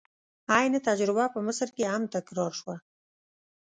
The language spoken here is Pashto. عین تجربه په مصر کې هم تکرار شوه.